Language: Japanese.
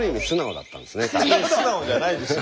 素直じゃないですよ